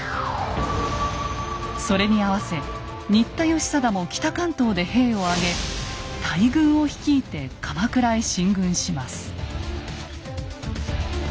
それに合わせ新田義貞も北関東で兵を挙げ大軍を率いて鎌倉へ進軍します。